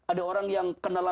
ada orang yang kenalan allah